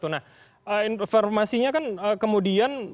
nah informasinya kan kemudian